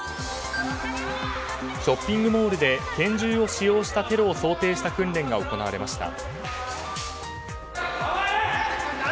ショッピングモールで拳銃を使用したテロを想定した訓練が行われました。